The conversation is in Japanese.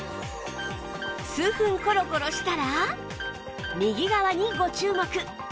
数分コロコロしたら右側にご注目！